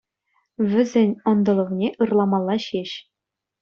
Вӗсен ӑнтӑлӑвне ырламалла ҫеҫ.